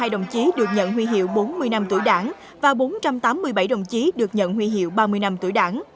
bốn trăm bảy mươi hai đồng chí được nhận huy hiệu bốn mươi năm tuổi đảng và bốn trăm tám mươi bảy đồng chí được nhận huy hiệu ba mươi năm tuổi đảng